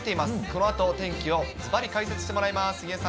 このあとお天気をずばり解説してもらいます。